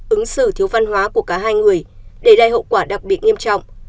ứng xử thiếu văn hóa của cả hai người để lại hậu quả đặc biệt nghiêm trọng